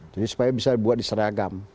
jadi supaya bisa dibuat di seragam